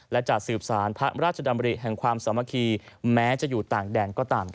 และจะสืบสารพระราชดำริแห่งความสามัคคีแม้จะอยู่ต่างแดนก็ตาม